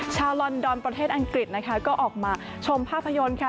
ลอนดอนประเทศอังกฤษนะคะก็ออกมาชมภาพยนตร์ค่ะ